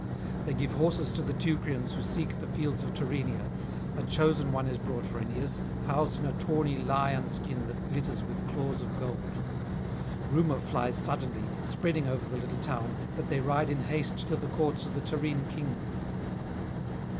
They give horses to the Teucrians who seek the fields of Tyrrhenia; a chosen one is brought for Aeneas, housed in a tawny lion skin that glitters with claws of gold. Rumour flies suddenly, spreading over the little town, that they ride in haste to the courts of the Tyrrhene king.